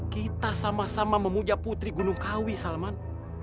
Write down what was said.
kita sama sama memuja putri gunung kawi salman